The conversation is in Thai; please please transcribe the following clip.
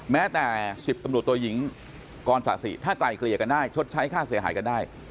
แม้แต่๑๐ตำรวจตัวหญิงกรศาสิถ้าไกลเกลี่ยกันได้ชดใช้ค่าเสียหายกันได้